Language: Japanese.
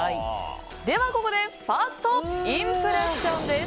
ではここでファーストインプレッションです。